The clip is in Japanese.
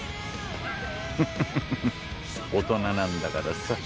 フフフフフッ大人なんだからさ。